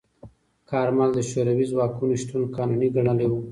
کارمل د شوروي ځواکونو شتون قانوني ګڼلی و.